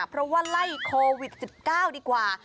เพราะว่าไล่โควิด๑๙ดีกว่า